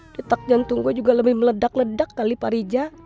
detak jantung gue juga lebih meledak ledak kali pak rija